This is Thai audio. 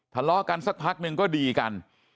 ทะเลาะกันสักพักนึงก็ดีกัน